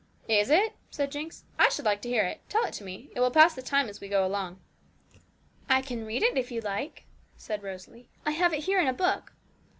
'Is it?' said Jinx. 'I should like to hear it; tell it to me; it will pass the time as we go along.' 'I can read it, if you like,' said Rosalie. 'I have it here in a book.'